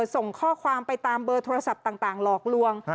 ส่งข้อความไปตามเบอร์โทรศัพท์ต่างหลอกลวง